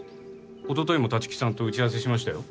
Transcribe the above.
おとといも立木さんと打ち合わせしましたよ。